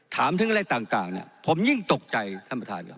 ถามถึงอะไรต่างเนี่ยผมยิ่งตกใจท่านประธานครับ